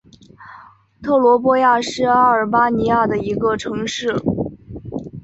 特罗波亚是阿尔巴尼亚的一个城市。